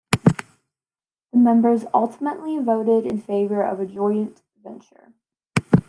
The members ultimately voted in favour of a joint venture.